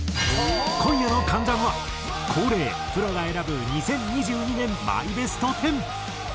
今夜の『関ジャム』は恒例プロが選ぶ２０２２年マイベスト１０。